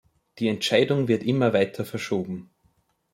Die Entscheidung wird immer weiter verschoben.